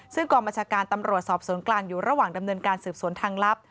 ซึ่งกรมจากการตำรวจสอบสวนกลางอยู่ระหว่างเดิมเดินการศึกษวนทางลับ